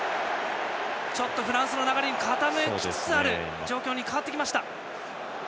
フランスの流れに傾きつつある状況に変わってきました。